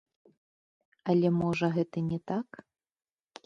Але, можа, гэта не так?